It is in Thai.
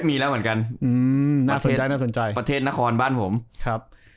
มีแล้วเหมือนกันอืมน่าสนใจน่าสนใจประเทศนครบ้านผมครับ